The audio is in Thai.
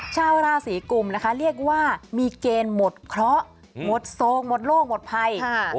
ชาวราศีกุมนะคะเรียกว่ามีเกณฑ์หมดเคราะห์หมดโศกหมดโลกหมดภัย